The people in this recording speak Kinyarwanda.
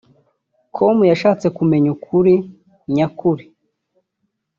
com yashatse kumenya ukuri nyakuri